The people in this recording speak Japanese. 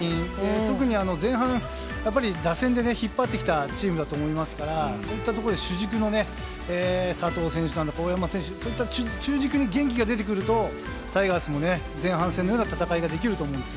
特に前半打線で引っ張ってきたチームだと思いますからそういったところで主軸の佐藤選手や中軸の選手に元気が出てくるとタイガースも前半戦のような戦いができると思います。